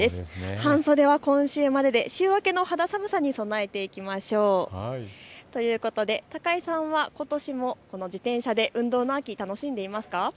半袖は今週までで週明けの肌寒さに備えましょう。ということで高井さんは、ことしも自転車で運動の秋、楽しんでいますか。